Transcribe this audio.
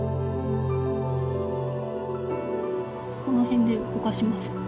この辺でぼかします。